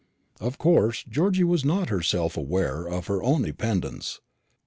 Of course Georgy was not herself aware of her own dependence.